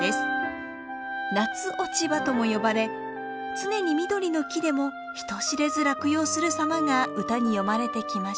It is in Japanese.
夏落葉とも呼ばれ常に緑の木でも人知れず落葉する様が歌に詠まれてきました。